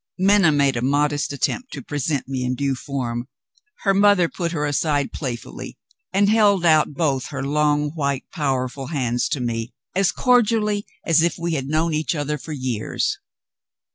Minna made a modest attempt to present me in due form. Her mother put her aside playfully, and held out both her long white powerful hands to me as cordially as if we had known each other for years.